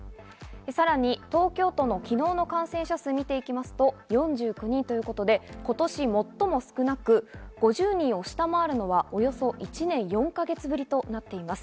さらに東京都の昨日の感染者数を見ると４９人ということで今年最も少なく５０人を下回るのはおよそ１年４か月ぶりとなっています。